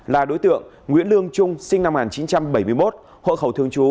là đối tượng nguyễn lương trung sinh năm một nghìn chín trăm bảy mươi một hộ khẩu thường trú